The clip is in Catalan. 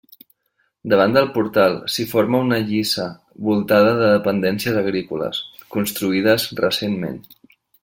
Davant del portal s'hi forma una lliça voltada de dependències agrícoles, construïdes recentment.